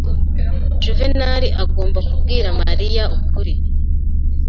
Juvenali agomba kubwira Mariya ukuri.